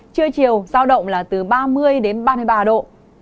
trưa chiều giao động là từ ba mươi đến ba mươi ba độ